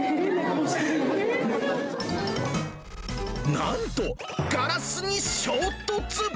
なんと、ガラスに衝突。